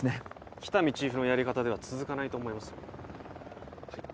喜多見チーフのやり方では続かないと思いますよはい？